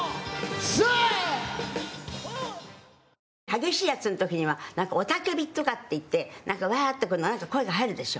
激しいやつの時には雄たけびとかっていってワーッとあなた、声が入るでしょ。